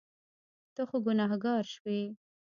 ته خو ګناهګار شوې.